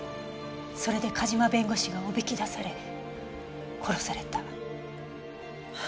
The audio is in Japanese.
それで梶間弁護士がおびき出され殺された。